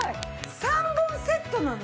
３本セットなの！？